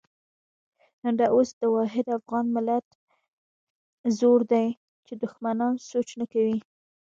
همدا اوس د واحد افغان ملت زور دی چې دښمنان سوچ نه کوي.